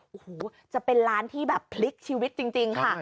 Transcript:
โอ้โหจะเป็นร้านที่แบบพลิกชีวิตจริงค่ะ